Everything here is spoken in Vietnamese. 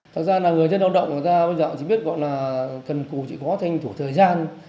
thật ra là người dân lao động bây giờ chỉ biết gọi là cần cụ chỉ có thành thủ thời gian